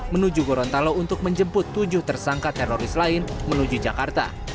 menuju gorontalo untuk menjemput tujuh tersangka teroris lain menuju jakarta